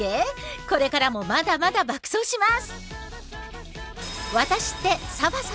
これからもまだまだ爆走します！